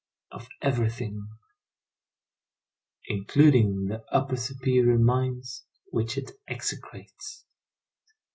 Of everything. Including the upper superior mines, which it execrates.